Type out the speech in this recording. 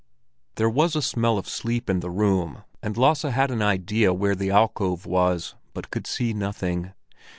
There was a smell of sleep in the room, and Lasse had an idea where the alcove was, but could see nothing.